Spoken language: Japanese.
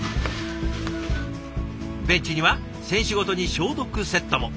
ベンチには選手ごとに消毒セットも。